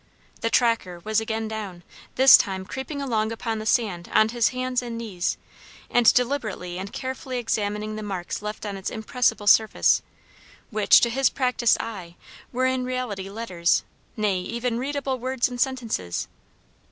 The 'Tracker' was again down; this time creeping along upon the sand on his hands and knees, and deliberately and carefully examining the marks left on its impressible surface, which, to his practiced eye, were in reality letters, nay, even readable words and sentences.